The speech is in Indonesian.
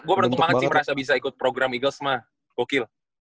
gue beruntung banget sih merasa bisa ikut program eagles ma gokil